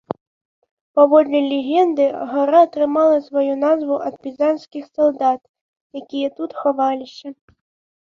Паводле легенды гара атрымала сваю назву ад пізанскіх салдат, якія тут хаваліся.